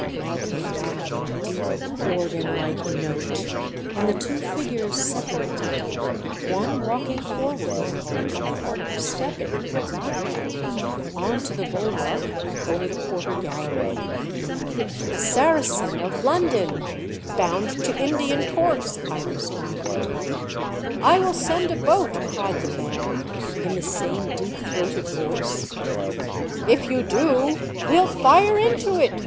now came back in a deep, organ like note, and the two figures separated, one walking forward, and the other stepping, as I had, on to the buhvark over the quarter gallery. A CRUEL DISASTER BEFALLS ME. 79 " The Saracen, of London, bound to Indian ports," I responded. " I will send a boat !" cried the man, in the same deep throated voice. *' If you do we'll fire into it!"